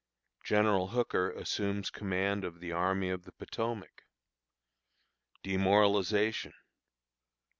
General Hooker assumes Command of the Army of the Potomac. Demoralization.